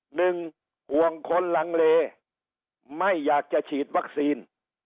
หนึ่งห่วงคนลังเลไม่อยากจะฉีดวัคซีน